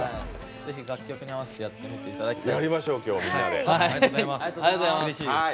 ぜひ、楽曲に合わせてやってみてください。